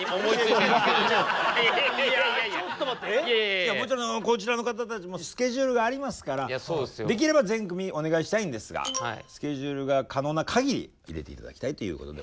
いやもちろんこちらの方たちもスケジュールがありますからできれば全組お願いしたいんですがスケジュールが可能なかぎり入れて頂きたいということで。